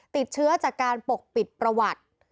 ติดเชื้อจากการปกปิดประวัติ